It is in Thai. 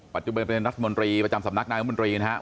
ปัจจุบันเป็นรัฐมนตรีประจำสำนักนายรัฐมนตรีนะครับ